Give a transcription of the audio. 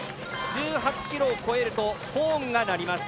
１８ｋｍを越えるとホーンが鳴ります。